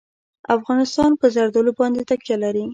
افغانستان په زردالو باندې تکیه لري.